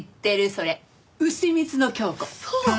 そう！